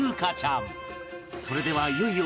それではいよいよ